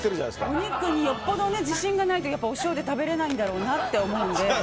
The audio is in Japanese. お肉によっぽど自信がないとお塩で食べれないんだろうなって思うので。